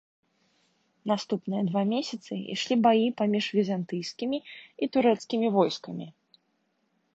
Наступныя два месяцы ішлі баі паміж візантыйскімі і турэцкімі войскамі.